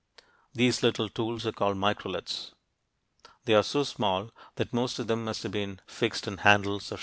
These little tools are called "microliths." They are so small that most of them must have been fixed in handles or shafts.